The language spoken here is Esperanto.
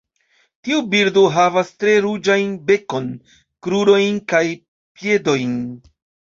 Tiu birdo havas tre ruĝajn bekon, krurojn kaj piedojn.